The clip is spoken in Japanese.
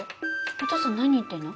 お父さん何言ってんの？